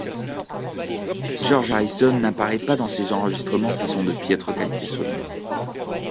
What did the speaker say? George Harrison n'apparaît pas dans ces enregistrements qui sont de piètre qualité sonore.